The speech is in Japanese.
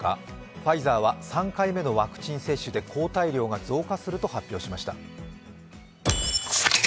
ファイザーは３回目のワクチン接種で抗体量が増加すると発表しました。